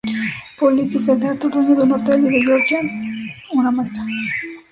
Polly es hija de Arthur, dueño de un hotel, y de Georgiana, una maestra.